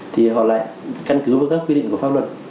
thì họ lại căn cứ vào các quy định của pháp luật